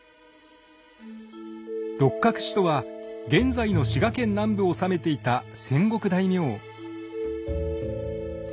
六角氏とは現在の滋賀県南部を治めていた戦国大名。